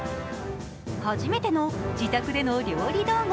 初めての自宅での料理動画。